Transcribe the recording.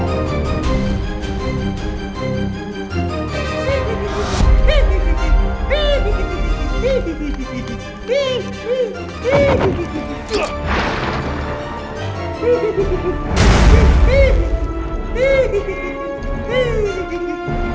ada seorang masyarakat bersama kami